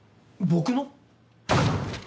僕の？